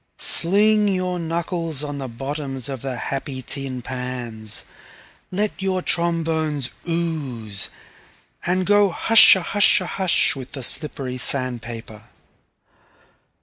Sling your knuckles on the bottoms of the happy tin pans, let your trombones ooze, and go hushahusha hush with the slippery sand paper.